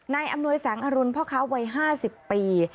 อำนวยแสงอรุณพ่อค้าวัย๕๐ปี